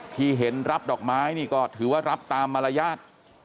ที่เห็นรับดอกไม้นี่ก็ถือว่ารับตามมารยาท